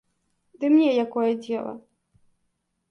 Ды мне якое дзела?